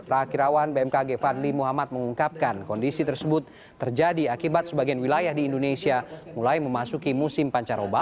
rakirawan bmkg fadli muhammad mengungkapkan kondisi tersebut terjadi akibat sebagian wilayah di indonesia mulai memasuki musim pancaroba